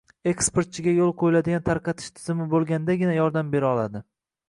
eksportchiga yo‘lga qo‘yilgan tarqatish tizimi bo‘lgandagina yordam bera oladi.